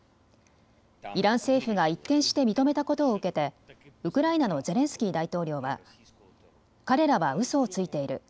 イラン政府が一転して認めたことを受けて、ウクライナのゼレンスキー大統領は彼らはうそをついている。